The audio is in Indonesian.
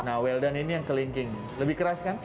nah well done ini yang kelinking lebih keras kan